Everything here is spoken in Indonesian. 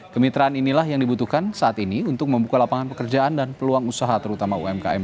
kemitraan inilah yang dibutuhkan saat ini untuk membuka lapangan pekerjaan dan peluang usaha terutama umkm